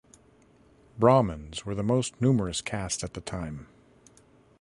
Brahmins were the most numerous caste at the time.